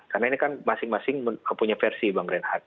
karena ini kan masing masing punya versi bang renhat